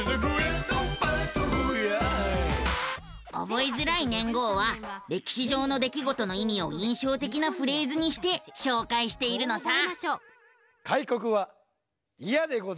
覚えづらい年号は歴史上の出来事の意味を印象的なフレーズにして紹介しているのさ。